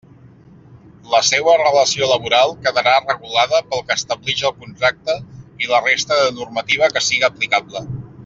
La seua relació laboral quedarà regulada pel que establix el contracte i la resta de normativa que siga aplicable.